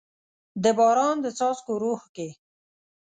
د باران د څاڅکو روح کې